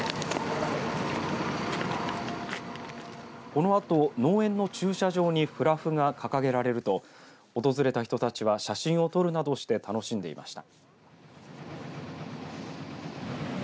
このあと農園の駐車場にフラフが掲げられると訪れた人たちは写真を撮るなどして楽しんでいました。